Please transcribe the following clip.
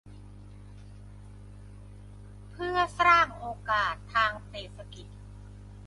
เพื่อสร้างโอกาสทางเศรษฐกิจ